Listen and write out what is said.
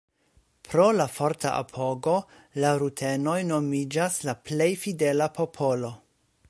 Pro la forta apogo la rutenoj nomiĝas la plej fidela popolo.